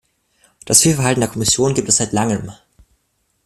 Das Fehlverhalten der Kommission gibt es seit langem.